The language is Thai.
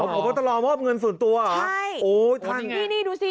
พบตรมอบเงินส่วนตัวเหรอใช่โอ้ยท่านนี่นี่ดูสิ